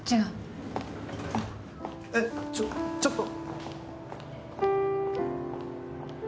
えっ、ちょっと。